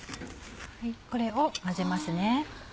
これを混ぜますね。